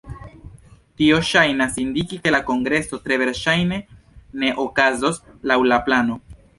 Tio ŝajnas indiki, ke la kongreso tre verŝajne ne okazos laŭ la plano.